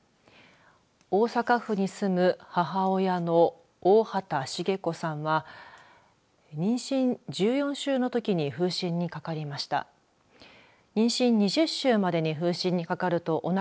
大阪府に住む母親の大畑茂子さんは妊娠１４週のときに風疹にかかりました。